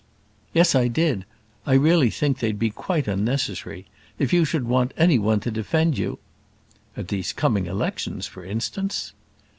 "Yes I did; I really think they'd be quite unnecessary. If you should want any one to defend you " "At these coming elections, for instance."